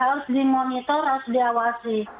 harus dimonitor harus diawasi